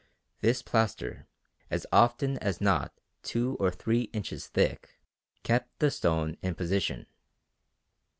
This plaster, as often as not two or three inches thick, kept the stone in position.